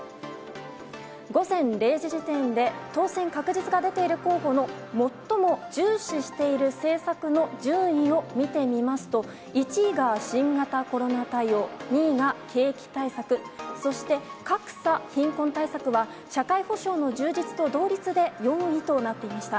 午前０時時点で、当選確実が出ている候補の最も重視している政策の順位を見てみますと、１位が新型コロナ対応、２位が景気対策、そして、格差・貧困対策は、社会保障の充実と同率で４位となっていました。